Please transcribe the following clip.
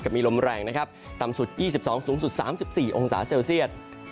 กับมีลมแรงต่ำสุด๒๒สูงสุด๓๔องศาเซลเซียด